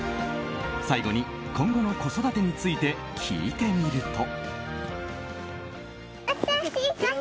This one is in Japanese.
最後に、今後の子育てについて聞いてみると。